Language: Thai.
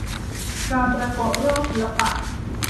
การประกอบโรคศิลปะ